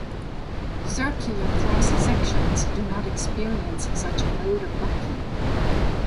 Circular cross sections do not experience such a mode of bucking.